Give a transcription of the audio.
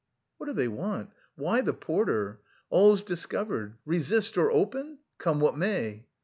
"What do they want? Why the porter? All's discovered. Resist or open? Come what may!..."